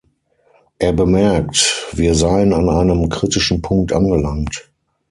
Er bemerkt, wir seien an einem kritischen Punkt angelangt.